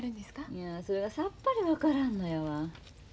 いやそれがさっぱり分からんのやわ。